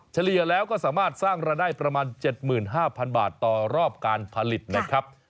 เฉลี่ยแล้วก็สามารถสร้างรายได้ประมาณ๗๕๐๐๐บาทต่อรอบการผลิตนะครับ